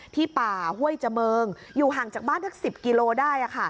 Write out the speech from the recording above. ที่ป่าห้วยเจมิงอยู่ห่างจากบ้านทั้ง๑๐กิโลได้